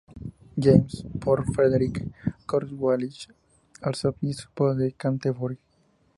James por Frederick Cornwallis, arzobispo de Canterbury.